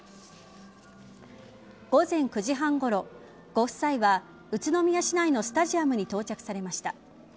午前９時半ごろご夫妻は宇都宮市内のスタジアムに到着されました。